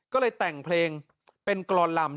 ก็เลยแต่งเพลงเป็นกรอนลำ